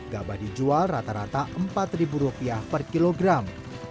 gabah dijual rata rata rp empat per kilogram